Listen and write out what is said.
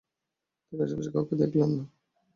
তিনি আশেপাশে কাউকেই দেখলেন না।